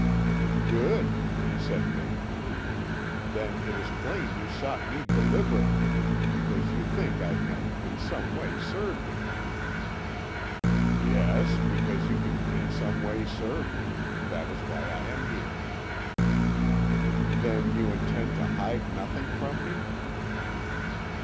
"Good," said Vanbrugh; "then it is plain you sought me deliberately, because you think I can in some way serve you." "Yes, because you can in some way serve me that is why I am here." "Then you intend to hide nothing from me?"